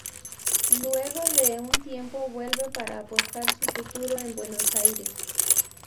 Luego de un tiempo vuelve para apostar su futuro en Buenos Aires.